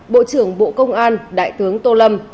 bộ trưởng bộ công an đại tướng tô lâm